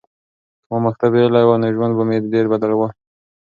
که ما مکتب ویلی وای نو ژوند به مې ډېر بدل وای.